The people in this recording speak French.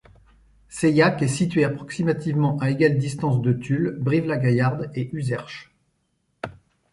Seilhac est situé approximativement à égale distance de Tulle, Brive-la-Gaillarde et Uzerche.